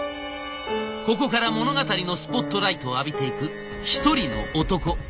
ここから物語のスポットライトを浴びていく一人の男。